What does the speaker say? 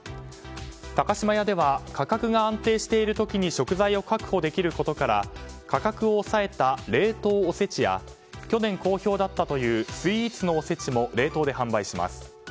高島屋では価格が安定している時に食材を確保できることから価格を抑えた冷凍おせちや去年好評だったというスイーツのおせちも冷凍で販売します。